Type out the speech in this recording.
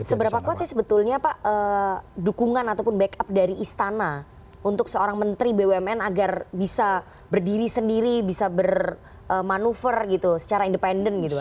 seberapa kuat sih sebetulnya pak dukungan ataupun backup dari istana untuk seorang menteri bumn agar bisa berdiri sendiri bisa bermanuver gitu secara independen gitu pak